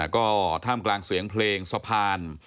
ก็ท่ามกลางเสียงเพลงสะพาน